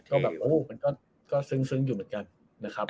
ก็แบบโอ้มันก็ซึ้งอยู่เหมือนกันนะครับ